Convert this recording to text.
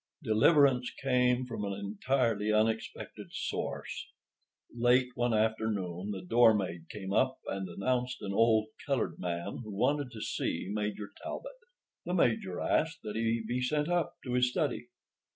Deliverance came from an entirely unexpected source. Late one afternoon the door maid came up and announced an old colored man who wanted to see Major Talbot. The Major asked that he be sent up to his study.